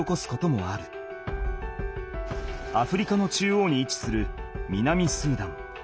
アフリカの中央にいちする南スーダン。